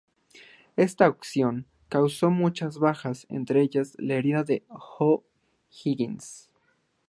Esta acción causó muchas bajas, entre ellas, la herida de O'Higgins.